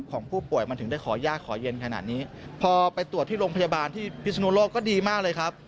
ของผู้ป่วยมันถึงได้ขอยากขอเย็นขนาดนี้พอไปตรวจที่โรงพยาบาลที่พิศนุโลกก็ดีมากเลยครับ